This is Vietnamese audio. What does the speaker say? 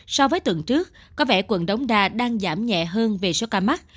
so với tuần trước có vẻ quận đống đa đang giảm nhẹ hơn về số ca mắc